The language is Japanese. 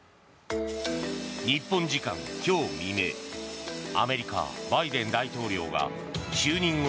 日本時間今日未明アメリカ、バイデン大統領が就任後